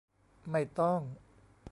ไม่ต้อง